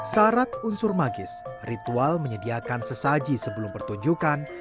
syarat unsur magis ritual menyediakan sesaji sebelum pertunjukan